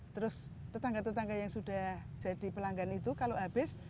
terus tetangga tetangga yang sudah jadi pelanggan itu kalau habis